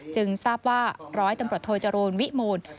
จึงทราบว่าร้อยตำรวจโทจรูลวิมูล